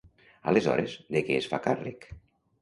Aleshores, de què es fa càrrec?